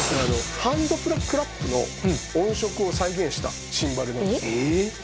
ハンドクラップの音色を再現したシンバルなんですけど。